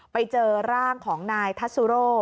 ไปเจอร่างของนายทัศุโร่